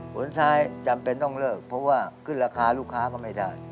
ผลซ้ายจำเป็นต้องเลิกเพราะว่าขึ้นราคาลูกค้าก็ไม่ได้